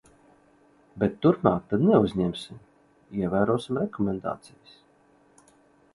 Bet turpmāk tad neuzņemsim, ievērosim rekomendācijas.